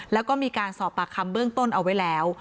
แล้วก็มีการสอบปากคำเบื้องต้นเอาไว้แล้ว